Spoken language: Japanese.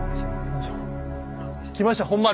来ました本丸。